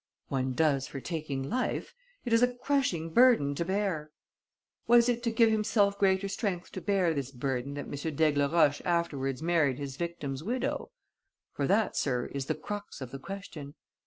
"One does for taking life. It is a crushing burden to bear." "Was it to give himself greater strength to bear this burden that M. d'Aigleroche afterwards married his victim's widow? For that, sir, is the crux of the question.